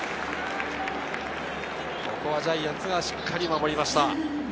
ここはジャイアンツがしっかり守りました。